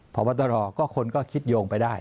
พอวัตราก็คิดโยงไปได้